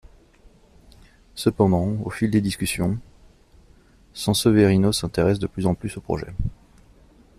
Cependant, au fil des discussions, Sanseverino s'intéresse de plus en plus au projet.